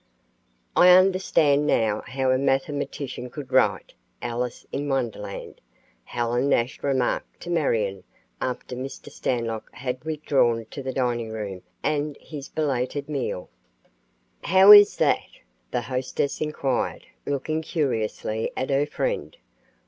"I understand now how a mathematician could write 'Alice in Wonderland'," Helen Nash remarked to Marion after Mr. Stanlock had withdrawn to the diningroom and his belated meal. "How is that?" the hostess inquired, looking curiously at her friend.